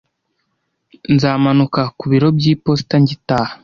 Nzamanuka ku biro by'iposita ngitaha.